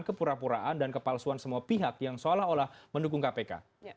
kepura puraan dan kepalsuan semua pihak yang seolah olah mendukung kpk